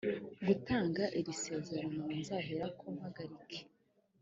gutanga iri sezerano ngo nzaherako mpagarike